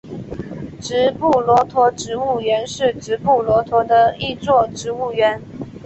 直布罗陀植物园是直布罗陀的一座植物园。